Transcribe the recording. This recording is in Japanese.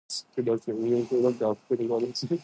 江戸時代には鎖国が行われた。